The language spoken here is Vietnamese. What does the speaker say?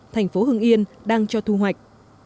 thành phố hưng yên đang cho thu hoạch